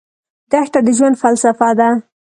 دښته د ژوند فلسفه ده.